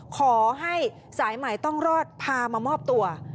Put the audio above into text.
ขอให้สายใหม่ต้องรอดพามามอบตัว